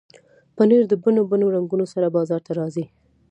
پنېر د بڼو بڼو رنګونو سره بازار ته راځي.